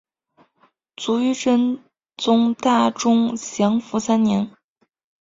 卒于真宗大中祥符三年。